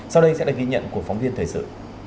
sau đây sẽ là ghi nhận của phóng viên thời sự